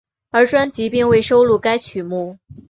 而专辑并未收录该曲目。